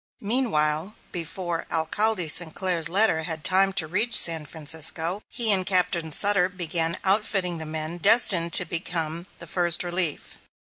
Meanwhile, before Alcalde Sinclair's letter had time to reach San Francisco, he and Captain Sutter began outfitting the men destined to become the "First Relief."